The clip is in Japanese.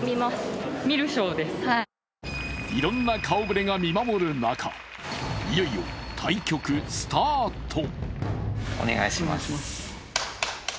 いろんな顔ぶれが見守る中、いよいよ対局スタート。